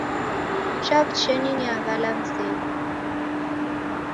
Chaw'uchenyi, niaghala mzedu